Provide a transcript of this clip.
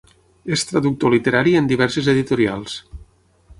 És traductor literari en diverses editorials.